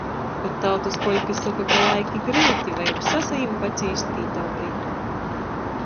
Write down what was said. Kod tautys kolpi soka, ka laiki gryuti, vajag sasajimt, pacīst, pītaupeit...